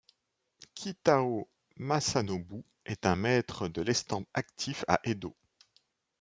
Kitao Masanobu est un Maître de l'estampe actif à Edo.